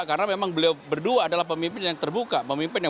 karena memang beliau berdua adalah pemimpin yang terbuka